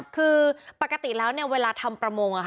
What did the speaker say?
คือปกติแล้วเวลาทำประมง